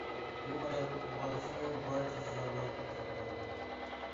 بۇ ئايال بالىسىنى بارچە زىيانلاردىن قوغدايدۇ.